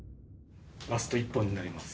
ラスト１本になります。